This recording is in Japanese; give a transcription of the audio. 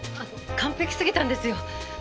完璧すぎたんですよ。